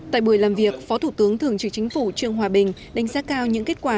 tại buổi làm việc phó thủ tướng thường trực chính phủ trương hòa bình đánh giá cao những kết quả